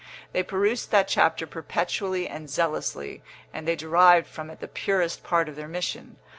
They perused that chapter perpetually and zealously, and they derived from it the purest part of their mission.